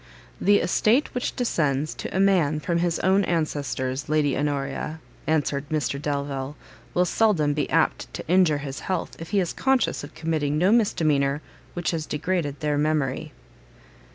"The estate which descends to a man from his own ancestors, Lady Honoria," answered Mr Delvile, "will seldom be apt to injure his health, if he is conscious of committing no misdemeanour which has degraded their memory."